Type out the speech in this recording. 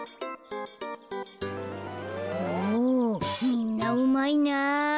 みんなうまいなぁ。